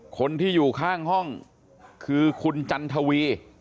คนที่อยู่ข้างห้องคือคุณจันทวี